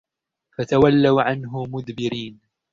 فَتَوَلَّوْا عَنْهُ مُدْبِرِينَ